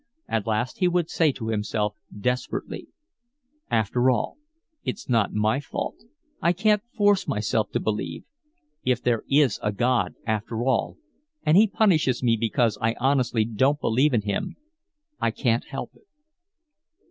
At last he would say to himself desperately: "After all, it's not my fault. I can't force myself to believe. If there is a God after all and he punishes me because I honestly don't believe in Him I can't help it."